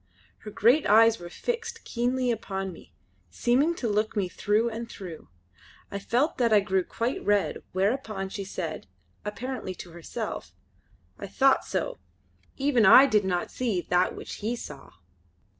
Her great eyes were fixed keenly upon me, seeming to look me through and through. I felt that I grew quite red, whereupon she said, apparently to herself: "I thocht so! Even I did not see that which he saw."